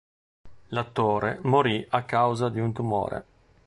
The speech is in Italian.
L'attore morì a causa di un tumore.